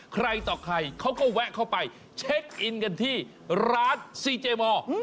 ใครต่อใครเขาก็แวะเข้าไปเช็คอินกันที่ร้านซีเจมอร์